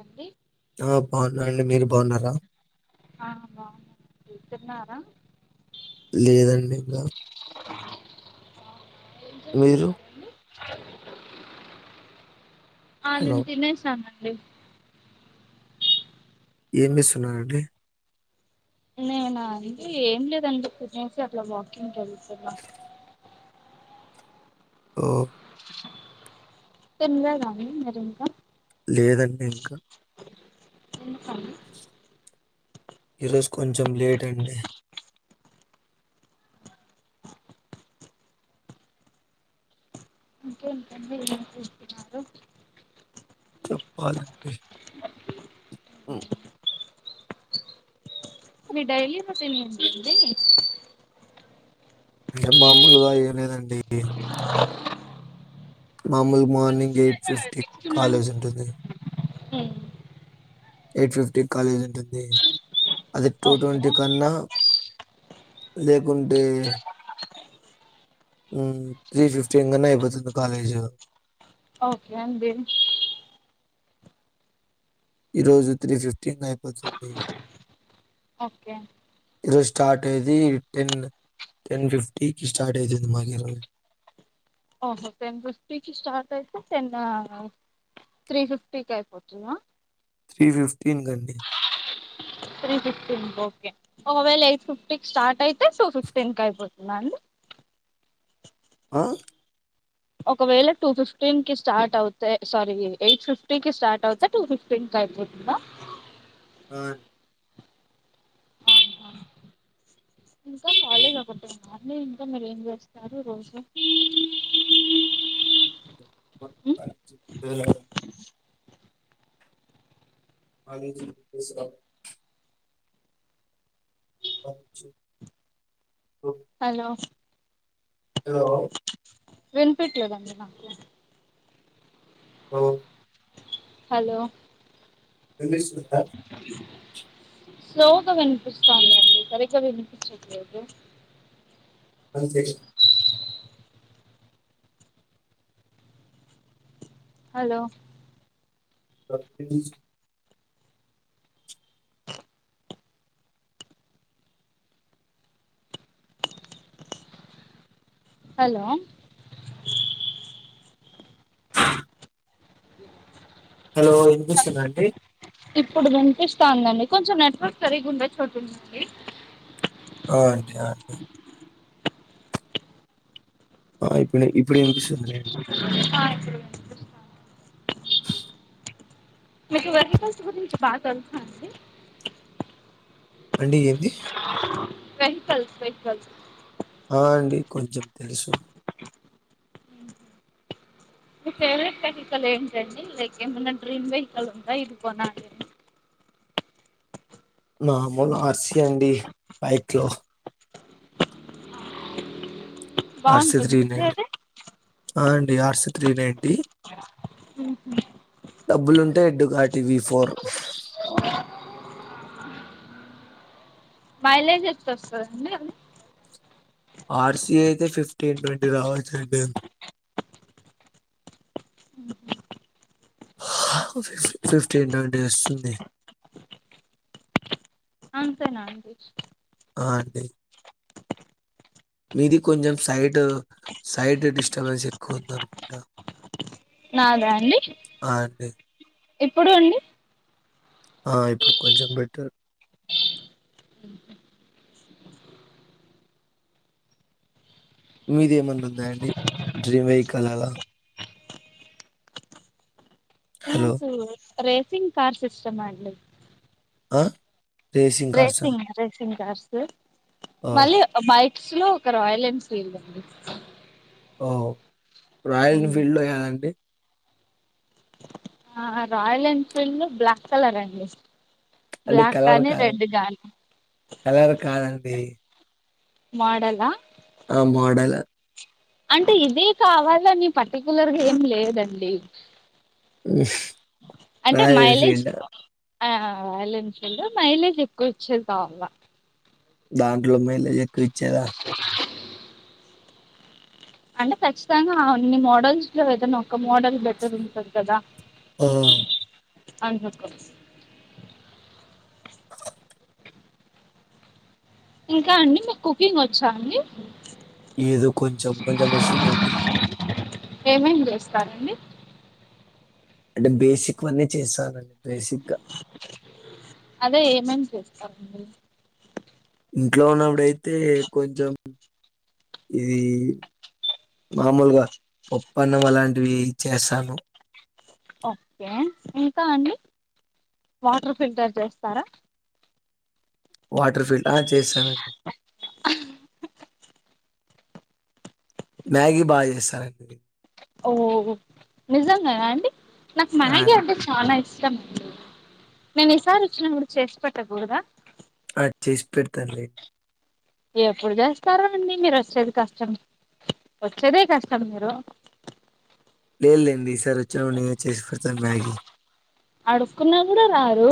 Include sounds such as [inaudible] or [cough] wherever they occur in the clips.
AD హా బాగున అండి మీరు బాగున్నారా? ఆ తరున్నరా లేదండి ఇంకా ఏం మీరు? చేూస్తున్నారండి ఆ ని హలో దినేషనం అ ఏమి సున్నానండి నేను అ ఏం లేదని చెప్పనేసి అట్లా వాకింగ్ క స ఓ తంగా కానీ మరింకా లేదన్నీ ఇంకా ఇంకా ఈరోజు కొంచెం లేట్ అండి ఇంకేంటండి ఏం చేస్తున్నారు చెప్పాలే హ్మ్ మీడైలీ [unintelligible] అంది ఇంకా మామూలుగా ఏం లేదండి మామూల్ మార్నింగ్ ఎయిట్ ఫిఫ్టీ కాలేజ్ ఉంటుంది హ్మ్ ఎయిట్ ఫిఫ్టీ కి కాలేజ్ ఉంటుంది అది టూ ఓకే ట్వంటీ కన్నా లేకుంటే హ్మ్ త్రీ ఫిఫ్టీన్ కనే అయిపోతుంది కాలేజ్ ఓకే అండి ఈ రోజు త్రీ ఫిఫ్టీన్ అయిపోతుంది ఓకే ఈరోజు స్టార్ట్ అయిది టెన్ టెన్ ఫిఫ్టీకి స్టార్ట్ అయితుంది మాగరోజు ఓహో టెన్ ఫిఫ్టీకి స్టార్ట్ అయితే టెన్ త్రీ ఫిఫ్టీకి అయిపోతుంద తథ్ర్రిీ ఫిఫ్టీన్ గనీ త్రీ ఫిఫ్టీన్ ఓకే ఒకవేళ ఎయిట్ ఫిఫ్టీ స్టార్ట్ అయితే సో సిక్స్టీన్ క అయిపోతుందండి ఆ ఒకవేళ టూ ఫిఫ్టీన్ కి స్టార్ట్ అవుతే సారీ ఎయిట్ ఫిఫ్టీకి స్టార్ట్ అవుతే టూ ఫిఫ్టీన్ క అయిపోతుందా ఆ ఇంకా కాలజ ఒక మని ఇంకా మీరు ఏం చేస్తారు రోజు అజ కేస్ పక్షు హలో హలో వెనుపట్లో అదండి నా హలో హలో వినిపిస్తున్న అ స్లో గా వినిపిస్తుంది అండి సరిగా వినిపిించట్లేదు అంతంత హలో త హలో హలో వినిపిస్తుంది అండి ఇప్పుడు వినిపిస్తాందండి కొంచెం నెట్వర్క్ సరిగి ఉండే చోటుందండి ఆ అండి ఆ అండి ఆ ఇప్పుడ ఇప్పుడ ఎనిపిస్తుంది ఆ ఇప్పుడు వినిపిస్తుంది మీ వర్గికల్స్ గురించి బాగా తెలుసా అండి అండి ఏే అది వెహికల్స్ వెహికల్స్ ఆ అండి కొంచెం తెలుసు మీ ఫేవరెట్ వెహికల్ ఏంటండి లైక్ ఏమన్నా డ్రీమ్ వెహికల్ ఉందా ఇది కొనాలి అని నామూలు ఆర్సిీ అండి బైక్ లో బాగుంటుందా అండి అది అర్సద్రీండి ఆర్స్ త్రీ నట్ అ హ్మ్మ్ డబ్బులుంటే ఎడ్డు కాటి వి ఫోర్ మైలేజ్ ఎట్ల వస్తుందండి ఆర్సీ అయితే ఫిఫ్టీన్ ట్వంటీ రావచ్చు అండి ఫిఫ్టీన్ ట్వంటీ వస్తుంది అంతే నా అండి ఆ అండి మీది కొంచెం సైడ్ సైడ్ డిస్టర్బెన్స్ ఎక్కువ ఉంది అనుకుంటా నాదా అండి అండి. ఇపుడు అండి ఆ ఇప్పుడు కొంచెం బెటర్ మీది ఏమనా ఉందయంండి డ్రీమ్ వెహికల్ అలా హలో నాకు రేసింగ్ కార్ సిస్టమ్ అండి ఆ రేసింగ్ రేసింగ్ కార్స్ స ఓహ్! మళ్ళీ మై స్లో ఒక ఒక రయల్ ఎన్ఫీల్డ్ అండి ఓ రాయల్ మ్మ్. ఎన్ఫీల్డ్ లో ఏదండి ఆ రాయల్ ఎన్ఫీల్డ్ బ్లాక్ కలర్ అండి అంటే బ్లాక్ కలర్ కానీ కాదు రెడ్ కానీ కలర్ కాదండి మోడల ఆ మోడలా అంటే ఇదే కావలోని పర్టికులర్గా ఏం లేదండి అంటే రాయల్ మైలేజ్ ఎన్ఫీల్డ్ ఆ వాలెన్షీల్డ్ మైలేజ్ ఎక్కువ వచ్చేది కావాల దాంట్లో మేళ అే అంటే ఖచ్చితంగా అన్ని మోడల్స్ లో ఏదైనా ఒక్క మోడల్ బెటర్ ఉంటది కదా ఆ అందుకు ఇంకా అండి మీకు కుకింగ్ వచ్చా అండి ఏదో కొంచెం కొంచెం వస్తుందండి ఏమేం చేస్తారంండి అంటే బేసిక్ అన్నీ చేస్తానండి బేసిక్ అదే ఏమేమి చేస్తామండి ఇంట్లో ఉన్నప్పుడయితే కొంచెం ఇది మామూలుగా పప్పన్నం అలాంటివి చేస్తాను ఓకే ఇంకా అండి వాటర్ ఫిల్టర్ చేస్తారా వాటర్ ఫీల్డ్ ఆ చేస్త సరేడి మ్యాగీ బాగా చేస్తారండిది ఓ నిజంగాద అండి నాకు ఆ! మ్యాగీ అంటే చనాయి ఇ నేను ఈసారి వచ్చినప్పుడు చేసి పెట్టకూడదా అది చేసి పెడతానులే ఎప్పుడు చేస్తారు అండి మీరు వచ్చేది కష్టం వచ్చేదే కష్టం మీరు లేల్ లేంది ఈసారి వచ్చిన నేను చేసి పెడతాను మ్యాగీ అడుక్కున్నా కూడా రారు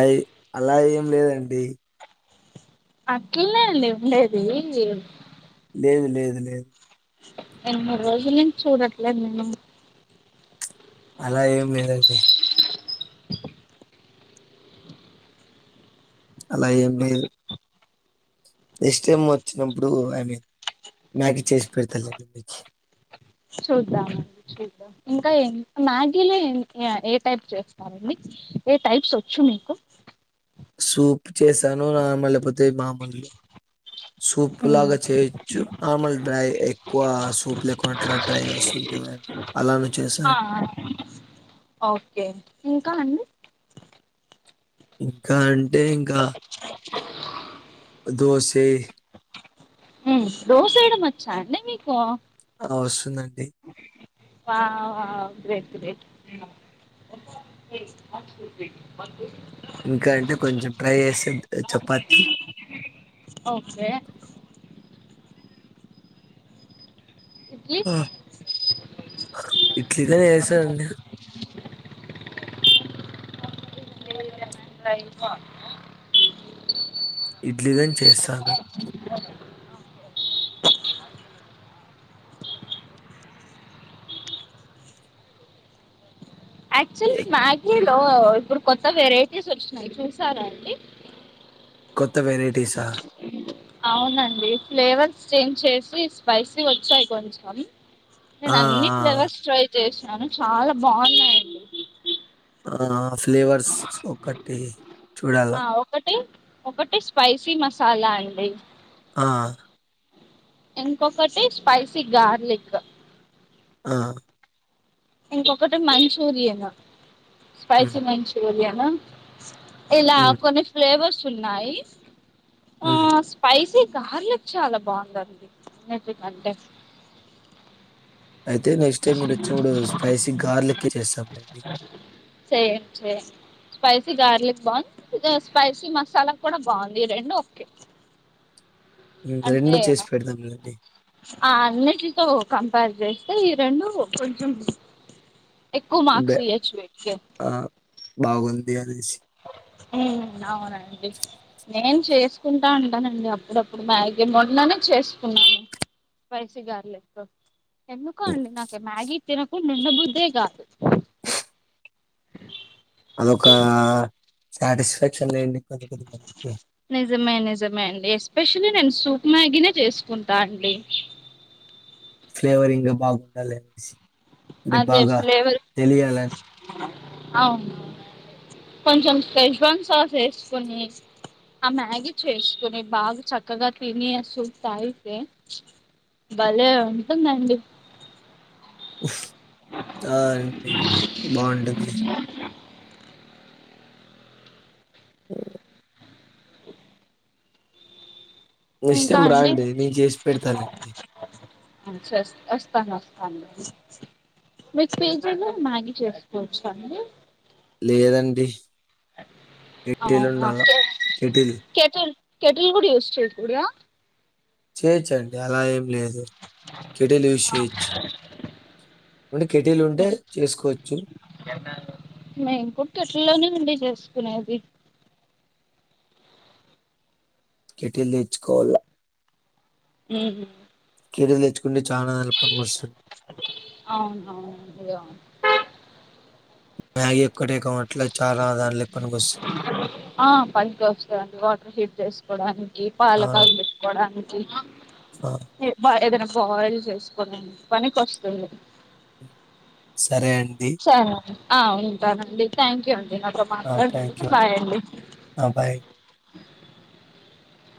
అయి అలా ఏం లేదండి అక్కల్లే అండి ఉండేది లేదు లేదు లేదు ఎమిడు రోజుల నుంచి చూడట్లేదు నేను అలా ఏం లేదగ్ని అలా ఏం లేదు ఎస్ం వచ్చినప్పుడు ఐ మీన్ మ్యాకి చేసి పెడత చూద్దామండి చూద్దాం ఇంకా ఏ మ్యాగీలో ఏ టైప్ చేస్తమండి ఏ టైప్స్ వచ్చు మీకు సూప్ చేసా నమల్ లేకపోతే మామూలు సూప్ లాగా చేయొచ్చు మామల్ డ్రై ఎక్కువ సూప్ లేకున్నట్లా డ్రై వస్తుంది చూడండి అలాను చేసా ఆ ఓకే ఇంకా అండి ఇంకా అంటే ఇంకా ఆ ఆ దోసే ఉమ్ దోసెయ్యడం వచ్చాన్డ్ మీకు హ వస్తుందన్డి వాహ్ వాహ్ గ్రేట్ గ్రేట్ ఇంకా అంటే కొంచెం ట్రై చేసేద్ చపాతి ఓకే ఇడ్లీ ఉమ్ ఉహుమ్ ఇడ్లి ద్ యేసేదండి లైఫా ఇడ్లీదెనన్ చేస్తాను యాక్చువల్ ఎ మ్యాగీలో ఇప్డ్ కొత్త వెరైటీస్ వచ్చినయ్ చూసారా అన్డి కొత్త వెరైటిసా అవునన్డి ఫ్లేవర్స్ చేంజ్ చేసి స్పైసీ వచ్చాయ్ కొంచెం ఆ! నేను ఆ! అన్ని ఫ్లేవర్స్ ట్రై చేసిన్ నను చాలా బావున్నాయన్డి ఆ ఫ్ ఫ్లేవర్స్ ఒకట్ ఉమ్ హ ఒకటి ఒకటి స్పైసీ మస్ సాల అండి హ ఇంకొకటి స్పైసి గార్లిక్. ఆహ్. ఇంకొకటి మంచురియను. స్పైసీ హ్మ్. మంచూరియన్. ఆహ్. ఇలా హ్మ్. కొన్ని ఫ్లేవర్స్. ఉన్నాయి. హ్మ్. ఆహ్ స్పైసి. గార్లిక్ చాలా బావుందండి మెతి కంటే. అయితే నెక్స్ట్ టైం మీరు వచ్చినప్పుడు స్పైసీ గార్లికే చేస్తామ్లెండి. సేమ్ సేమ్ స్పైసీ గార్లిక్ బావుంది స్పైసీ మసాలా కూడా బావుంది ఈ రెండూ ఓకే. హ్మ్. అంటే రెండు చేసి నా పెడతాం లెండి. ఆహ్ అన్నిటితో. కంపేర్ జెస్తే ఈ రెండు కొంచెం. ఎక్కువ బె మార్క్స్ ఇయొచ్చు వీటికి. ఆ! బాగుంది అనేసి. ఉమ్ అవునండి నేను చేస్. చేసుకుంటా ఉంటానండి. అప్పుడప్పుడు మ్యాగీ మొన్ననే చేసుకున్నాను స్పైసి గార్లిక్ తో ఎందుకో అండి నాకు మ్యాగీ తినకుండ ఉండాబుద్ధే కాదు. అదొక. సాటిస్ఫాక్షన్ లేండి. కొంత కొంతమందికి. నిజమే నిజమే అండి ఎస్పెషలీ నేను సూప్. మ్యాగీనే చేసుకుంటా అండి. ఫ్లేవర్ ఇంకా బాగుండాలి అనేసి. అంటే అదే బాగా ఫ్లేవర్ తెలియాలని. అవును కొంచెం శేష్ పంప్స్ సాస్ చేసుకోని ఆ మ్యాగీ చేసుకుని బాగా చక్కగా తిని ఆ సూప్ తాగితే భలే ఉంటుందండి. ఆహ్. ఆహ్ అండి బాగుంటుంది. ఓహో ఇంకా ఇష్టం అండి రాండి నేను చేసి పెడతాలేండి. వస్తాను వస్తాను మీకు పీజీలో మ్యాగీ చేసుకోవచ్చా అండి. లేదండి. కెటిల్ అవునా ఉండాల. Kettle kettle. షేటిల్ కూడా యూస్ చేస్తుండ్ర. చేయొచ్చు అండి అలా ఏం. లేదు కెటీలు యూస్ చేయచ్చు. అ కెటీలు ఉంటే చేసుకోవచ్చు. చేసుకునేవి. కెటిల్ తెచ్చుకోవాలా. ఉమ్. క్రీడలు తెచ్చుకుని అవును అవును అవును మ్యాగీ ఒక్కటే కావట్ల చాలా దాంట్లకి పనికొస్తది. ఆ పంచి వస్తుందిండి వాటర్ హీట్ చేసుకోవడానికి ఆ పాల కాలు పెట్టుకోవడానికి ఆ అ ఏదనా బాయిల్ చేసుకోనిండి పనికినికి వస్తుంది సరే అండి సరే అండి ఉంటానండి థ్యాంక్ యూ అండి నాతో థ్యాంక్ మాట్లాడినందుకు యూ బాయ్ అండి బాయ్